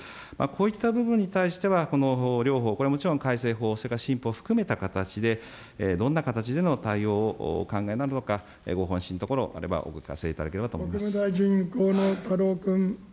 こういった部分に対しては、この両法、これはもちろん改正法、それから新法含めた形で、どんな形での対応をお考えなのか、ご方針等あればお伺いできればと思います。